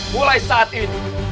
mulai saat ini